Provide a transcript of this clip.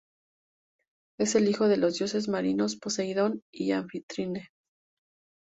Es el hijo de los dioses marinos Poseidón y Anfítrite.